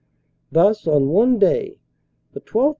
Thus on one day the 12th.